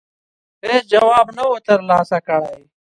هېڅ جواب نه وو ترلاسه کړی.